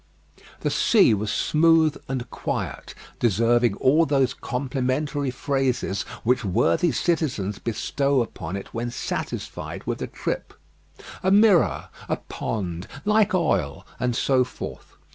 The sea was smooth and quiet; deserving all those complimentary phrases which worthy citizens bestow upon it when satisfied with a trip. "A mirror," "a pond," "like oil," and so forth.